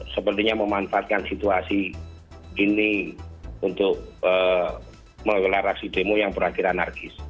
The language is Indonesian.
sepertinya memanfaatkan situasi ini untuk mengelola aksi demo yang berakhiran argis